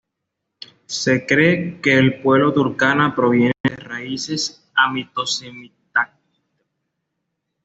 Se cree que el pueblo turkana provienen de raíces hamito-semíticas.